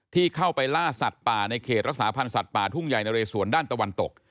ที่เข้าไปล่าสัตว์ป่าในเขตรักษาพันธ์สัตว์ป่าทุ่งใหญ่นะเรสวนด้านตะวันตก